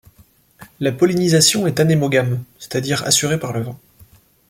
La pollinisation est anémogame, c'est-à-dire assurée par le vent.